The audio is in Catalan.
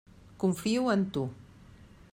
Confio en tu.